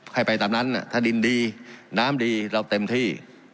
ให้ไปตามนั้นถ้าดินดีน้ำดีเราเต็มที่